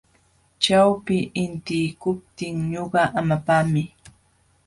Ćhawpi intiykuptin ñuqa hamapaami.